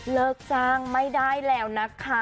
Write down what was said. เลิกจ้างไม่ได้แล้วนะคะ